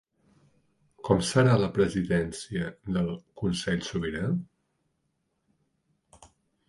Com serà la presidència del Consell Sobirà?